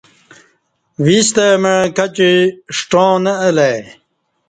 وِستہ مع کچی ݜٹاں نہ الہ ای